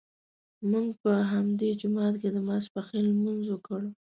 موږ په همدې جومات کې د ماسپښین لمونځ وکړ.